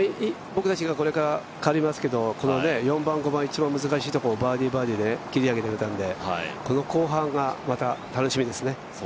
僕たちがこれから変わりますけど、４番、５番、一番難しいところ、バーディー・バーディーで切り上げてくれたので、この後半がまた楽しみですね。